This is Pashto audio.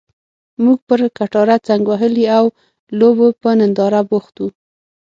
موږ پر کټاره څنګ وهلي او لوبو په ننداره بوخت وو.